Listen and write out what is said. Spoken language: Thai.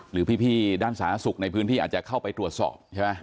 หรือพี่ด้านสาธารณสุขในพื้นที่อาจจะเข้าไปตรวจสอบใช่ไหม